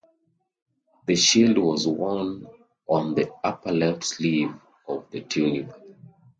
The shield was worn on the upper left sleeve of the tunic.